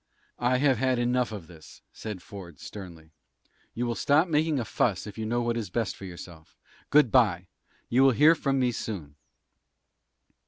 "I have had enough of this," said Ford, sternly. "You will stop making a fuss if you know what is best for yourself. Good by! You will hear from me soon."